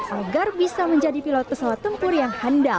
agar bisa menjadi pilot pesawat tempur yang hendak